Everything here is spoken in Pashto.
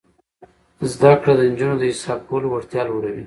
زده کړه د نجونو د حساب کولو وړتیا لوړوي.